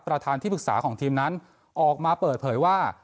ที่ปรึกษาของทีมนั้นออกมาเปิดเผยว่า